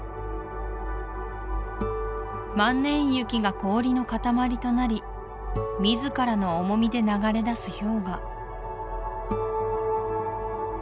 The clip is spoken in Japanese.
万年雪が氷の塊となり自らの重みで流れだす氷河